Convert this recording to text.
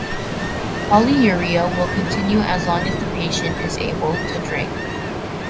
Polyuria will continue as long as the patient is able to drink.